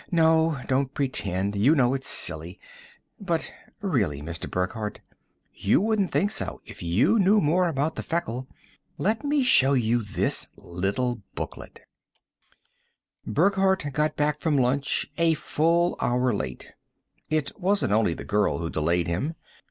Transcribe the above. "No, don't pretend. You think it's silly. But really, Mr. Burckhardt, you wouldn't think so if you knew more about the Feckle. Let me show you this little booklet " Burckhardt got back from lunch a full hour late. It wasn't only the girl who delayed him.